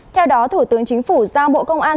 theo đó thủ tướng chính phủ giao bộ công an